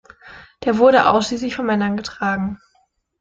Der wurde ausschließlich von Männern getragen.